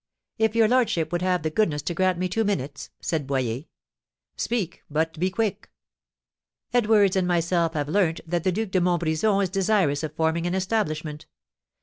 "If your lordship would have the goodness to grant me two minutes," said Boyer. "Speak, but be quick!" "Edwards and myself have learnt that the Duc de Montbrison is desirous of forming an establishment.